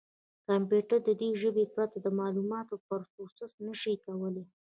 کمپیوټر د دې ژبې پرته د معلوماتو پروسس نه شي کولای.